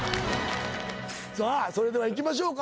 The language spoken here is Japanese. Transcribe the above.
さあそれではいきましょうか？